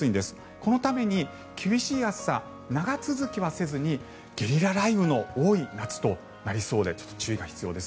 このために厳しい暑さ、長続きはせずにゲリラ雷雨の多い夏になりそうで注意が必要です。